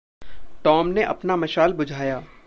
Tom ने अपना मशाल बुझाया।